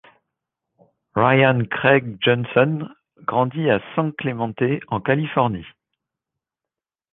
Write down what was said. Rian Craig Johnson grandit à San Clemente en Californie.